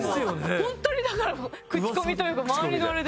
ホントにだから口コミというか周りのあれで。